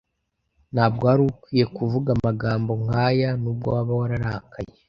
Ntabwo wari ukwiye kuvuga amagambo nkaya nubwo waba wararakaye.